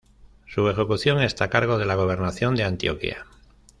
Su ejecución está a cargo de la Gobernación de Antioquia.